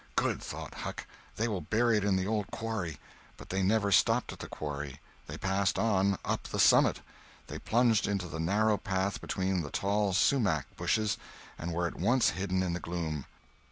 Good, thought Huck, they will bury it in the old quarry. But they never stopped at the quarry. They passed on, up the summit. They plunged into the narrow path between the tall sumach bushes, and were at once hidden in the gloom.